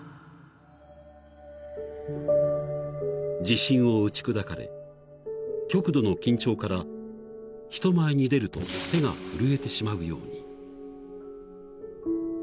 ［自信を打ち砕かれ極度の緊張から人前に出ると手が震えてしまうように］